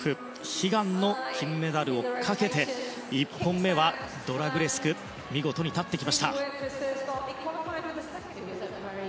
悲願の金メダルをかけて１本目はドラグレスクで見事に立ってきました。